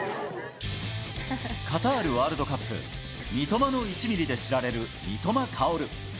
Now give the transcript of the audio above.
カタールワールドカップ、三笘の１ミリで知られる三笘薫。